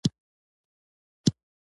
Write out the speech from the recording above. زه تلویزیون ګورم